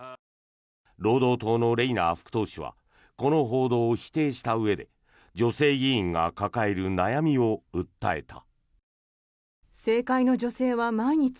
労働党のレイナー副党首はこの報道を否定したうえで女性議員が抱える悩みを訴えた。